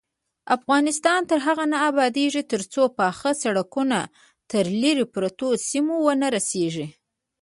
افغانستان تر هغو نه ابادیږي، ترڅو پاخه سړکونه تر لیرې پرتو سیمو ونه رسیږي.